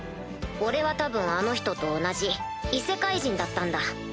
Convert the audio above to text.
俺は多分あの人と同じ異世界人だったんだ。